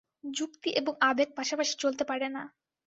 যুক্তি এবং আবেগ পাশাপাশি চলতে পারে না।